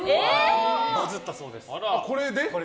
バズったそうです、これで。